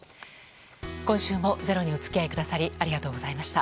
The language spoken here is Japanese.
今週も「ｚｅｒｏ」にお付き合いくださりありがとうございました。